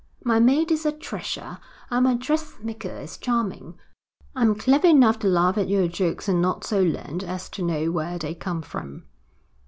My maid is a treasure, and my dressmaker is charming. I'm clever enough to laugh at your jokes and not so learned as to know where they come from.'